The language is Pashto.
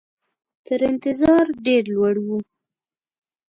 تر انتظار ډېر لوړ وو.